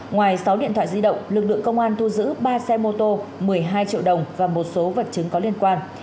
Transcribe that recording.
ngoài sáu điện thoại di động lực lượng công an thu giữ ba xe mô tô một mươi hai triệu đồng và một số vật chứng có liên quan